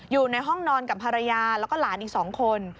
อยู่ในห้องนอนกับภรรยาแล้วก็หลานอีก๒คน